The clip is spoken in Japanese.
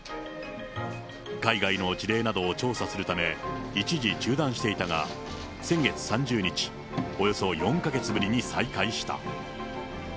海外の事例などを調査するため、一時中断していたが、先月３０日、およそ４か月ぶりに再開した。